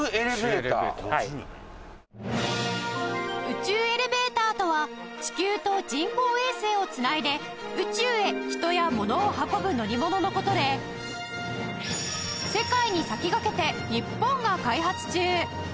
宇宙エレベーターとは地球と人工衛星をつないで宇宙へ人や物を運ぶ乗り物の事で世界に先駆けて日本が開発中